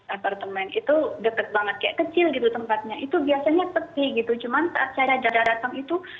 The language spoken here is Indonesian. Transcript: apartemen itu deket banget kayak kecil gitu tempatnya itu biasanya seperti gitu cuman saat saya ada datang itu